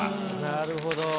なるほど。